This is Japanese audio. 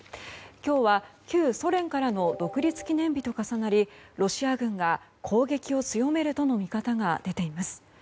今日は旧ソ連からの独立記念日と重なりロシア軍が攻撃を強めるとの見方が出ています。